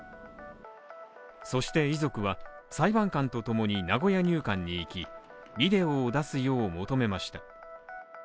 そして遺族は、裁判官とともに名古屋入管に行き、ビデオを出すよう求めました。